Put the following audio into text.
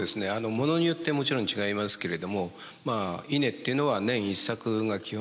ものによってもちろん違いますけれども稲っていうのは年一作が基本です。